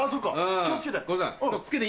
気を付けて。